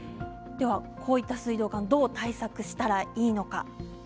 こういった水道管どう対策すればいいのか。